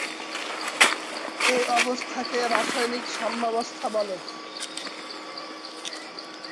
এ অবস্থাকে রাসায়নিক সাম্যাবস্থা বলে।